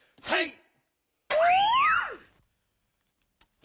はい！